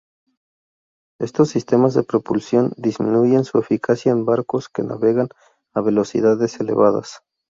Estos sistemas de propulsión disminuyen su eficiencia en barcos que navegan a velocidades elevadas.